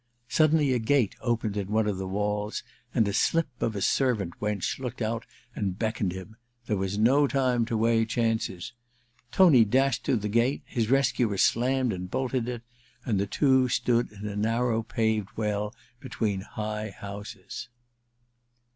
Suddenly a sate opened in one of the walls, and a slip of a servant wench looked out and beckoned him. There was no time to weigh chances. Tony dashed through the gate, his rescuer slammed and bolted it, and the two stood in a narrow paved well between high houses.